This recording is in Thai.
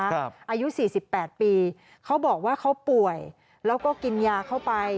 อายุ๔๘ปีเขาบอกว่าเขาป่วยแล้วก็กินยาเข้าไป